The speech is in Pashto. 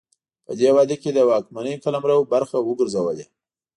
په دې واده کې د واکمنۍ قلمرو برخه وګرځولې.